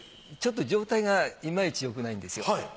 ちょっと状態が今いちよくないんですよ。